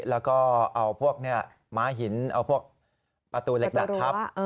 แล้วก็เอาพวกม้าหินเอาพวกประตูเหล็กดัดทับ